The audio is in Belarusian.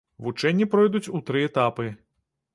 Вучэнні пройдуць у тры этапы.